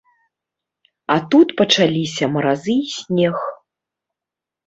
А тут пачаліся маразы і снег.